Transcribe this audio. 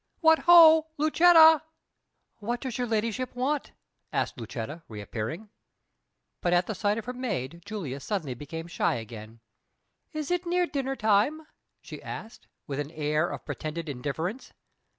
What ho, Lucetta!" "What does you ladyship want?" asked Lucetta, reappearing. But at the sight of her maid Julia suddenly became shy again. "Is it near dinner time?" she asked, with an air of pretended indifference.